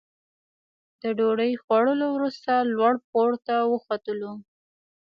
د ډوډۍ خوړلو وروسته لوړ پوړ ته وختلو.